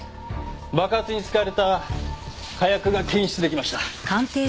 爆発に使われた火薬が検出出来ました。